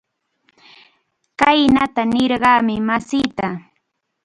Khaynata nirqani masiyta.